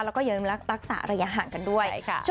แล้วก็อย่าลืมรักษาระยะห่างกันด้วย